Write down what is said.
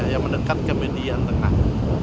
yang mendekat ke median tengah